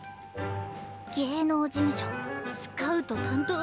「芸能事務所スカウト担当」？